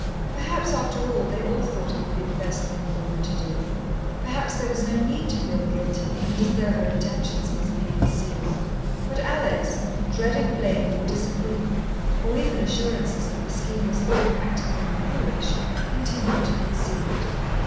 Perhaps, after all, they all thought it would be the best thing for her to do. Perhaps there was no need to feel guilty and as though her intentions must be concealed. But Alex, dreading blame or disapproval, or even assurances that the scheme was unpractical and foolish, continued to conceal it.